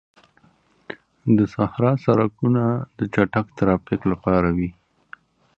د صحرا سړکونه د چټک ترافیک لپاره وي.